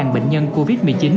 ba bệnh nhân covid một mươi chín